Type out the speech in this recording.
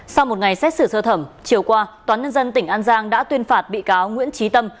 sau một ngày xét xử sơ thẩm chiều qua tòa nhân dân tỉnh an giang đã tuyên phạt bị cáo nguyễn trí tâm